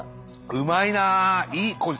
うまいなあ！